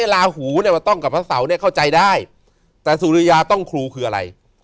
ลาหูเนี่ยมันต้องกับพระเสาเนี่ยเข้าใจได้แต่สุริยาต้องครูคืออะไร